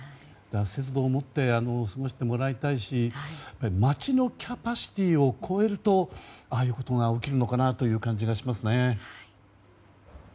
節度を持って過ごしてもらいたいし街のキャパシティーを超えるとああいうことが起きるのかなという感じがしますね。